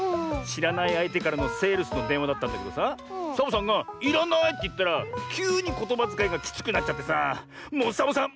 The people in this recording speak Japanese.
しらないあいてからのセールスのでんわだったんだけどさサボさんが「いらない」っていったらきゅうにことばづかいがきつくなっちゃってさもうサボさん